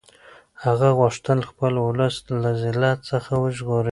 هغه غوښتل خپل اولس له ذلت څخه وژغوري.